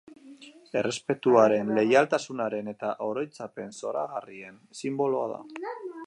Errespetuaren, leialtasunaren eta oroitzapen zoragarrien sinboloa da.